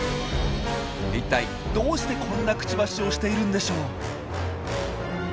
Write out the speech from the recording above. いったいどうしてこんなクチバシをしているんでしょう？